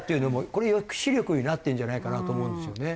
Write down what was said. これ抑止力になってるんじゃないかなと思うんですよね。